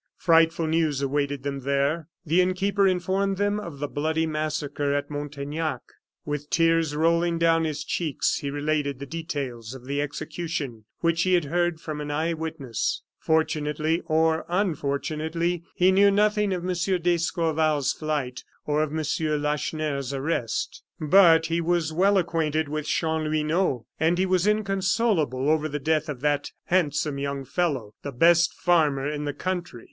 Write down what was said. Frightful news awaited them there. The innkeeper informed them of the bloody massacre at Montaignac. With tears rolling down his cheeks, he related the details of the execution, which he had heard from an eyewitness. Fortunately, or unfortunately, he knew nothing of M. d'Escorval's flight or of M. Lacheneur's arrest. But he was well acquainted with Chanlouineau, and he was inconsolable over the death of that "handsome young fellow, the best farmer in the country."